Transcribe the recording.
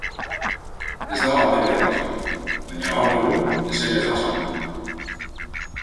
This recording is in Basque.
Ez da batere erraza, baina gaur egun ezer ez da samurra.